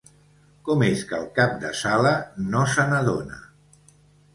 Com és que el cap de sala no se n'adona?